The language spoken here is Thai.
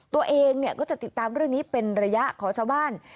ตัวเองก็จะติดตามเรื่องนี้เป็นระยะขอชาวบ้าน